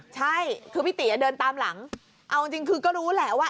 ใช่คือพี่ตีเดินตามหลังเอาจริงคือก็รู้แหละว่า